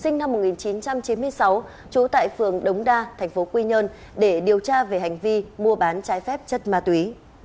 năm một nghìn chín trăm chín mươi sáu trú tại phường đống đa tp quy nhơn để điều tra về hành vi mua bán trái phép chất ma túy